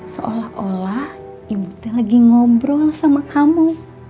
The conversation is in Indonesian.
seolah olah ibu lagi ngobrol sama kamu